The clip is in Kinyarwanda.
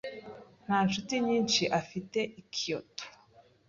Nta nshuti nyinshi afite i Kyoto.